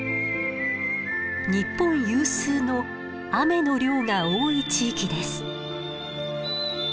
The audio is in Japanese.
日本有数の雨の量が多い地域です。